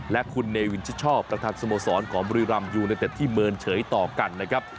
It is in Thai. และคุณเนวินชิดชอบประธานสโมสรของบุรีรำยูเนเต็ดที่เมินเฉยต่อกันนะครับ